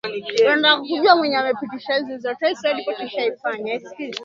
Nini maana ya uteuzi wa wakuu wa mikoa uliofanywa na Rais Samia